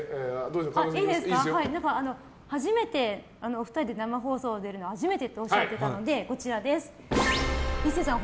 お二人で生放送出るの初めてっておっしゃってたので、壱成さん